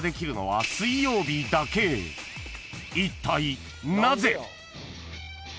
［いったいなぜ？］